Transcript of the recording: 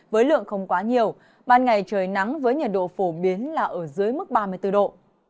với lượng không quá nhiều ban ngày trời nắng với nhiệt độ phổ biến là ở dưới mức ba mươi bốn độ